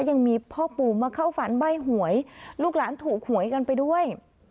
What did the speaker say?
ยังมีพ่อปู่มาเข้าฝันใบ้หวยลูกหลานถูกหวยกันไปด้วย